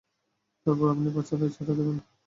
তারপর আপনি বাচ্চাদের ছেড়ে দেবেন।